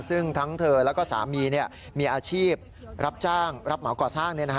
ซึ่งทั้งเธอแล้วก็สามีมีอาชีพรับจ้างรับเหมาก่อสร้าง